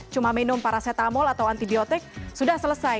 cuma minum paracetamol atau antibiotik sudah selesai